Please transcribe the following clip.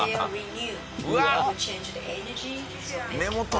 うわっ！